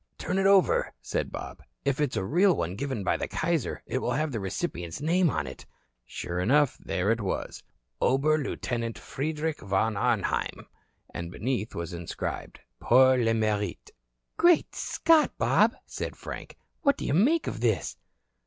"Turn it over," said Bob. "If it's a real one given by the Kaiser it will have the recipient's name on it." Sure enough, there it was: "Ober Lieutenant Frederik von Arnheim." And beneath was inscribed: "Pour le merite." "Great Scott, Bob," said Frank. "What do you make of this?"